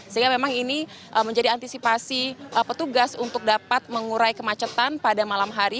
sehingga memang ini menjadi antisipasi petugas untuk dapat mengurai kemacetan pada malam hari